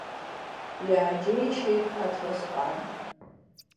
Иааџьеишьеит Аҭласҟан.